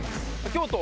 京都？